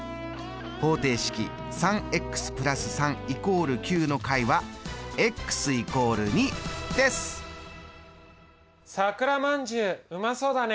方程式３＋３＝９の解は＝２ですさくらまんじゅううまそうだね。